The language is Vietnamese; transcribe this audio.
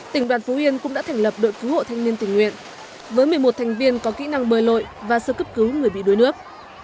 tỉnh đoàn phú yên cũng đã thành lập đội cứu hộ thanh niên tình nguyện với một mươi một thành viên có kỹ năng bơi lội và sơ cấp cứu người bị đuối nước